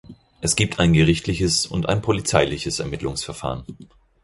Es gibt ein gerichtliches und ein polizeiliches Ermittlungsverfahren.